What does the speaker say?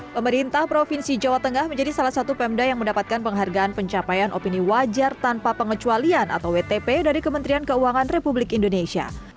pemerintah provinsi jawa tengah menjadi salah satu pemda yang mendapatkan penghargaan pencapaian opini wajar tanpa pengecualian atau wtp dari kementerian keuangan republik indonesia